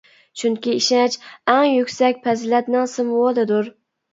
چۈنكى ئىشەنچ ئەڭ يۈكسەك پەزىلەتنىڭ سىمۋولىدۇر.